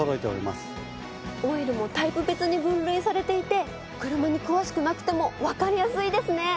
オイルもタイプ別に分類されていて車に詳しくなくてもわかりやすいですね。